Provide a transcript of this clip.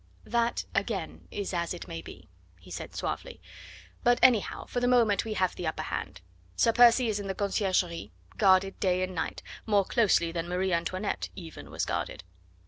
"That, again, is as it may be," he said suavely; "but anyhow for the moment we have the upper hand. Sir Percy is in the Conciergerie, guarded day and night, more closely than Marie Antoinette even was guarded."